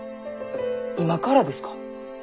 今からですか？